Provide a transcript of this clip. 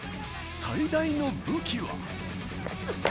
最大の武器は。